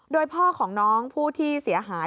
โดยพ่อของน้องผู้ที่เสียหาย